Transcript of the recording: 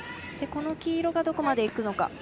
この黄色がどこまでいくのか。